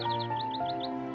ratih hiduplah bersama saya